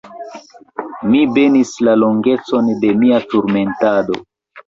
Mi benis la longecon de mia turmentado.